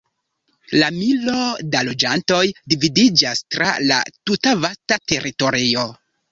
La milo da loĝantoj dividiĝas tra la tuta vasta teritorio.